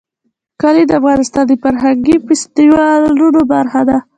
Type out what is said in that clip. کلي د افغانستان د فرهنګي فستیوالونو برخه ده.